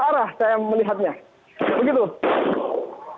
jadi aparat keamanan mencoba membukul mundur